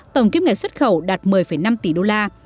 tổng kiếm ngày xuất khẩu đạt một mươi năm tỷ đô la